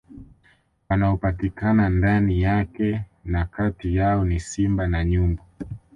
Wanaopatikana ndani yake na kati yao ni Simba na Nyumbu